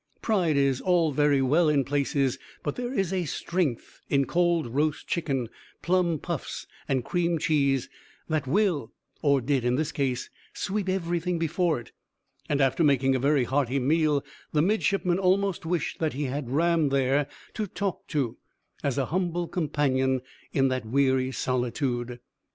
Pride is all very well in places, but there is a strength in cold roast chicken, plum puffs, and cream cheese, that will, or did in this case, sweep everything before it; and, after making a very hearty meal, the midshipman almost wished that he had Ram there to talk to as a humble companion in that weary solitude.